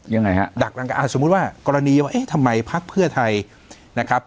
ยังไงฮะดักรังการอ่าสมมุติว่ากรณีว่าเอ๊ะทำไมพักเพื่อไทยนะครับ